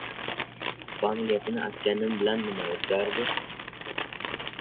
— Familiyasini aytganim bilan nima o‘zgarardi?